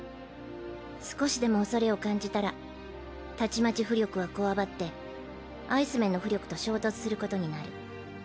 少しでも恐れを感じたらたちまち巫力はこわばってアイスメンの巫力と衝突することになる。